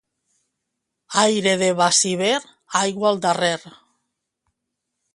Aire de Baciver, aigua al darrer.